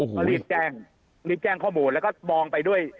ก็รีบแจ้งข้อมูลแล้วก็มองไปด้วย